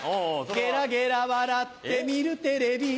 ゲラゲラ笑って見るテレビ